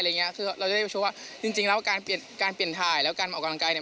เราจะได้โชว์ว่าจริงแล้วการเปลี่ยนอวัยแล้วการออกกำลังกาย